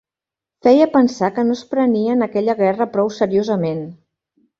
Feia pensar que no es prenien aquella guerra prou seriosament